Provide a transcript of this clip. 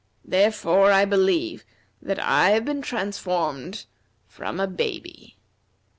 Therefore I believe that I have been transformed from a baby."